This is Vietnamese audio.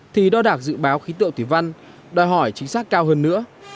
thì đo đạc dự báo khí tượng thủy văn đòi hỏi chính xác cao hơn nữa